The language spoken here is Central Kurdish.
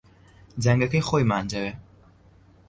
دەنگەکەی خۆیمان دەوێ